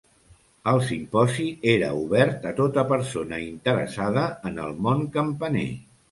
El simposi era obert a tota persona interessada en el món campaner.